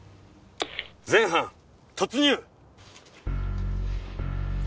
全班突入！